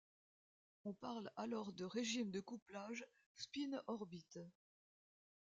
On parle alors de régime de couplage spin-orbite.